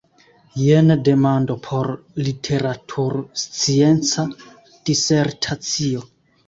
Jen demando por literaturscienca disertacio.